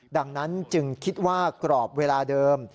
ดังนั้นจึงคิดว่ากรอบเวลาเดิม